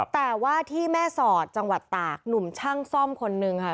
แต่ว่าที่แม่สอดจังหวัดตากหนุ่มช่างซ่อมคนนึงค่ะ